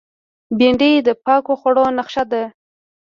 بېنډۍ د پاکو خوړو نخښه ده